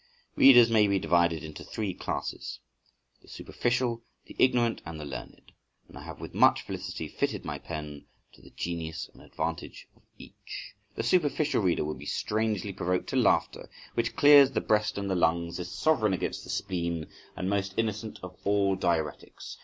Readers may be divided into three classes—the superficial, the ignorant, and the learned, and I have with much felicity fitted my pen to the genius and advantage of each. The superficial reader will be strangely provoked to laughter, which clears the breast and the lungs, is sovereign against the spleen, and the most innocent of all diuretics.